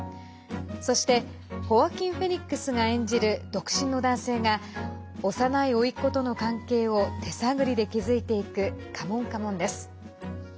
そしてホアキン・フェニックスが演じる独身の男性が幼いおいっ子との関係を手探りで築いていく「カモンカモン」です。